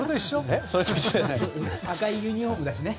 赤いユニホームだしね。